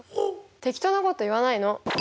適当なこと言わないの。